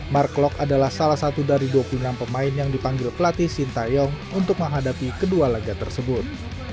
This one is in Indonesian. mark klok adalah salah satu dari dua puluh enam pemain yang dipanggil pelatih sintayong untuk menghadapi kedua laga tersebut